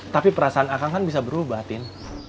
tapi perasaan akang kan bisa berubah tin